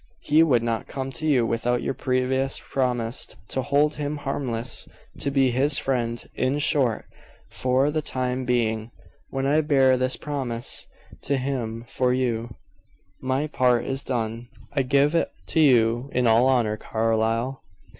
He would not come to you without your previous promise to hold him harmless; to be his friend, in short, for the time being. When I bear this promise to him for you, my part is done." "I give it to you in all honor, Carlyle.